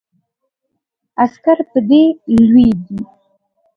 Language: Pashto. عسکر په دې لویږي.